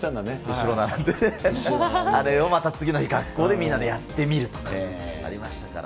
後ろ並んで、あれをまた次、学校でみんなでやってみるとかありましたからね。